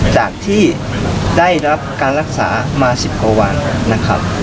จากที่ได้รับการรักษามา๑๐กว่าวันนะครับ